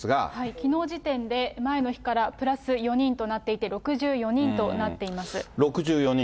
きのう時点で、前の日からプラス４人となっていて、６４人と６４人。